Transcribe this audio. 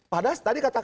pada tadi katakan